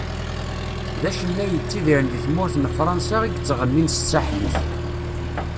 D acennay yettidiren di tmurt n Fransa i yettɣenin s tsaḥlit.